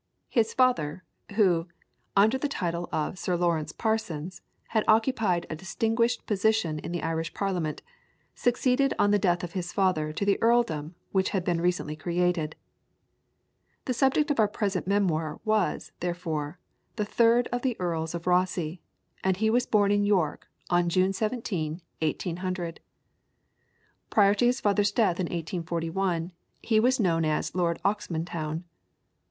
His father, who, under the title of Sir Lawrence Parsons, had occupied a distinguished position in the Irish Parliament, succeeded on the death of his father to the Earldom which had been recently created. The subject of our present memoir was, therefore, the third of the Earls of Rosse, and he was born in York on June 17, 1800. Prior to his father's death in 1841, he was known as Lord Oxmantown.